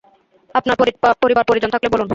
আপনার পরিবার-পরিজন থাকলে বলুন।